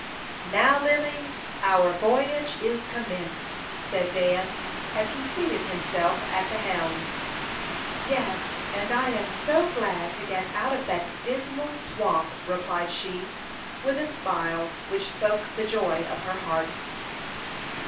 "Now, Lily, our voyage is commenced," said Dan, as he seated himself at the helm. "Yes; and I am so glad to get out of that dismal swamp!" replied she, with a smile which spoke the joy of her heart.